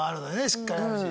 しっかりあるし。